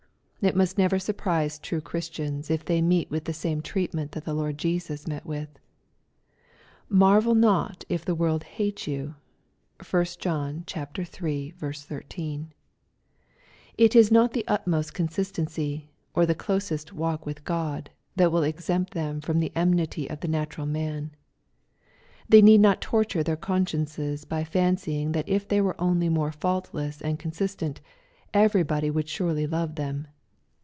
It must never surprise true Christians if they meet with the same treatment that the Lord Jesus met with. " Marvel not if the world hate you." (1 John iii. 13.) It is not the utmost consistency, or the closest walk with God, that will exempt them from the enmity of the natural man. They need not torture their consciences by fancying that if they were onljf more faultless and consistent, every< liody weald surely love them.